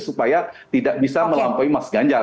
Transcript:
supaya tidak bisa melampaui mas ganjar